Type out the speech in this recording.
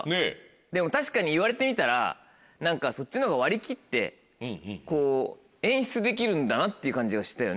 でも確かに言われてみたらそっちのほうが割り切って演出できるんだなっていう感じがしたよね。